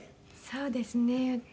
そうですね。